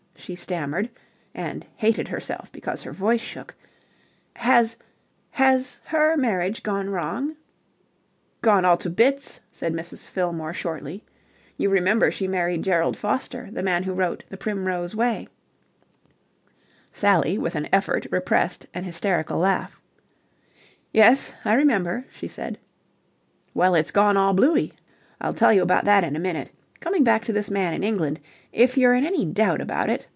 she stammered, and hated herself because her voice shook. "Has has her marriage gone wrong?" "Gone all to bits," said Mrs. Fillmore shortly. "You remember she married Gerald Foster, the man who wrote 'The Primrose Way'?" Sally with an effort repressed an hysterical laugh. "Yes, I remember," she said. "Well, it's all gone bloo ey. I'll tell you about that in a minute. Coming back to this man in England, if you're in any doubt about it...